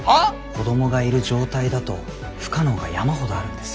子供がいる状態だと不可能が山ほどあるんです。